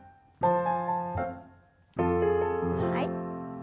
はい。